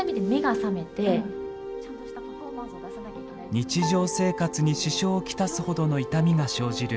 日常生活に支障を来すほどの痛みが生じる